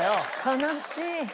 悲しい。